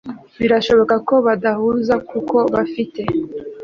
Ati Birashoboka ko badahuza kuko bafite